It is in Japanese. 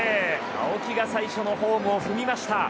青木が最初のホームを踏みました。